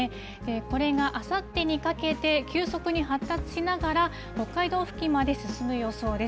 これがあさってにかけて急速に発達しながら、北海道付近まで進む予想です。